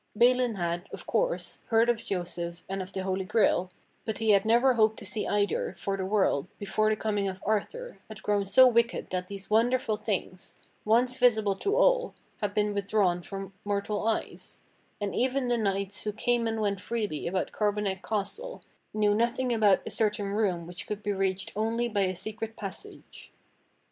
Balin had, of course, heard of Joseph and of the Holy Grail, but he had never hoped to see either, for the world, before the com ing of Arthur, had grown so wicked that these Wonderful Things, once visible to all, had been withdrawn from mortal eyes; and even the knights who came and went freely about Carbonek Castle knew nothing about a certain room which could be reached only by a secret passage.